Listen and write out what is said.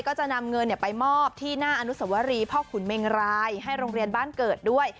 ก็จะนำเงินไปมอบที่หน้าอนุสวรีพ่อขุนเมงรายให้โรงเรียนบ้านเกิดด้วย